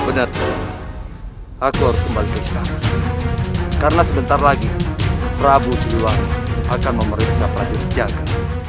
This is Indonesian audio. benar aku harus kembali ke istana karena sebentar lagi prabu siluang akan memeriksa pradip jaga